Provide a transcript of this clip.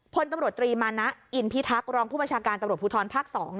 พลตำรวจตรีมานะอินพิทักษ์รองผู้บัญชาการตำรวจภูทรภาค๒